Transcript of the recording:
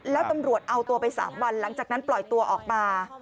แล้วตำรวจเอาตัวไป๓วันหลังจากนั้นปล่อยตัวออกมา